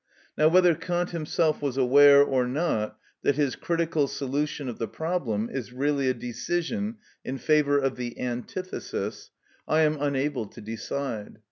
Now whether Kant himself was aware or not that his critical solution of the problem is really a decision in favour of the antithesis, I am unable to decide.